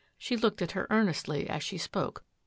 " She looked at her ear nestly as she spoke.